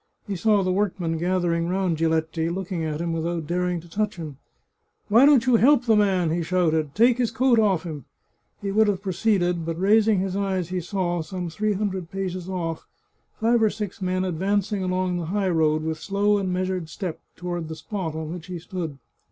He saw the workmen gathering round Giletti, looking at him without daring to touch him. " Why don't you help the man ?" he shouted. " Take his coat off him !" He would have proceeded, but raising his eyes he saw, some three hundred paces off, five or six men advancing along the high road, with slow and measured step, toward the spot on which he stood.